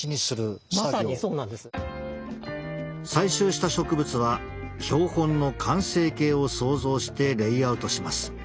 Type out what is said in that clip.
採集した植物は標本の完成形を想像してレイアウトします。